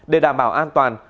để đảm bảo an toàn